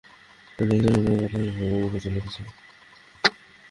দেখেছেন হৃদয়ের কথা কিভাবে মুখে চলে এসেছে।